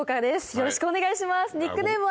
よろしくお願いします。